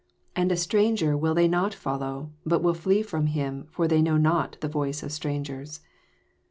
5 And a stranger will they not fol loW| but will flee from him : for they know not the yoioe of strangers.